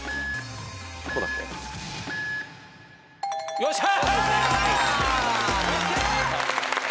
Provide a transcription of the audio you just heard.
よっしゃ！